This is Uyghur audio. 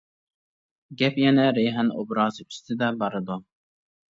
گەپ يەنە رەيھان ئوبرازى ئۈستىدە بارىدۇ.